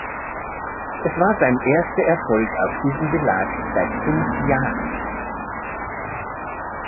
Es war sein erster Erfolg auf diesem Belag seit fünf Jahren.